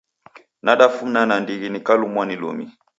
Nadafuna nandighi nikakuluma lumi.